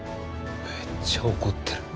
めっちゃ怒ってる。